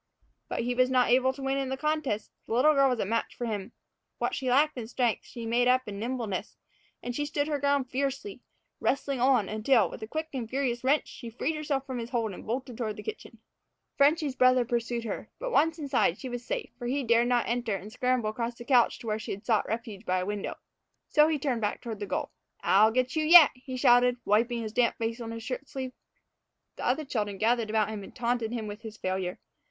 But he was not able to win in the contest. The little girl was a match for him. What she lacked in strength she made up in nimbleness, and she stood her ground fiercely, wrestling on until, with a quick, furious wrench, she freed herself from his hold and bolted toward the kitchen. "Frenchy's" brother pursued her. But, once inside, she was safe, for he dared not enter and scramble across the couch to where she had sought refuge by a window. So he turned back toward the goal. "I get you yet," he shouted, wiping his damp face on his shirt sleeve. The other children gathered about him and taunted him with his failure.